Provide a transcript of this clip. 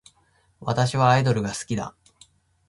私はアイドルが好きだ